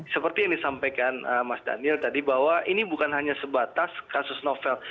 seperti yang disampaikan mas daniel tadi bahwa ini bukan hanya sebatas kasus novel